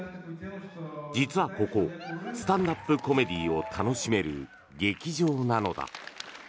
実はここスタンダップコメディーを楽しめる劇場なのだ。